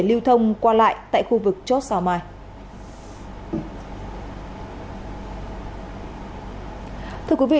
có thể lưu thông qua lại tại khu vực chốt sao mai